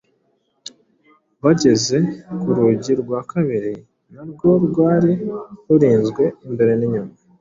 Bageze ku rugi rwa kabiri narwo rwari rurinzwe imbere n’inyuma,